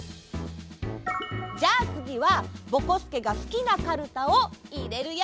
じゃあつぎはぼこすけがすきなカルタをいれるよ。